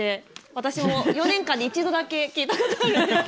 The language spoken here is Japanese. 私も４年間で一度だけ聞いたことあります。